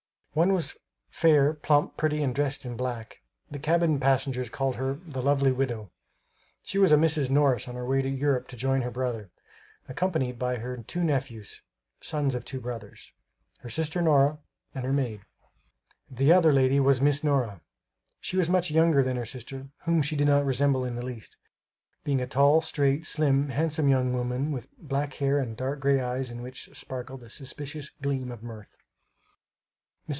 One was fair, plump, pretty and dressed in black; the cabin passengers called her "the lovely Widow." She was a Mrs. Morris on her way to Europe to join her brother, accompanied by her two nephews (sons of two brothers), her sister Nora, and her maid. The other lady was Miss Nora. She was much younger than her sister whom she did not resemble in the least, being a tall straight, slim, handsome young woman with black hair and dark gray eyes in which sparkled a suspicious gleam of mirth. Mrs.